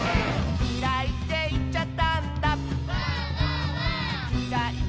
「きらいっていっちゃったんだ」